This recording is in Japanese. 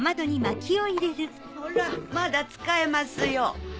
ほらまだ使えますよ。